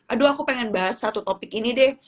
aduh aku pengen bahas satu topik ini deh